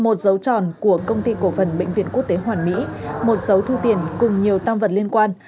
một dấu tròn của công ty cổ phần bệnh viện quốc tế hoàn mỹ một dấu thu tiền cùng nhiều tăng vật liên quan